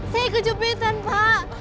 saya kejepetan pak